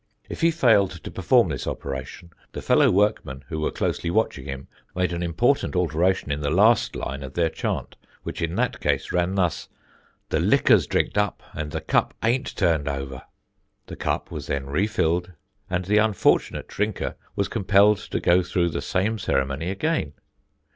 If he failed to perform this operation, the fellow workmen who were closely watching him, made an important alteration in the last line of their chant, which in that case ran thus: The liquor's drink'd up and the cup aint turned over. "The cup was then refilled and the unfortunate drinker was compelled to go through the same ceremony again.